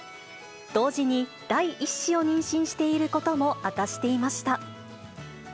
同時に、第１子を妊娠していることも明かしていました。